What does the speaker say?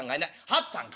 八っつぁんかい？